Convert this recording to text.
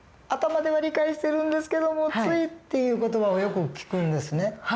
頭では理解してるんですけどもついっていう言葉をよく聞くんですね。